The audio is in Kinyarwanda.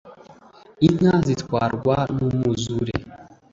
inka zitwarwa numuzure!